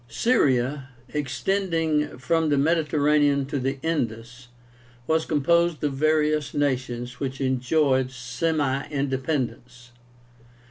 SYRIA, extending from the Mediterranean to the Indus, was composed of various nations which enjoyed a semi independence.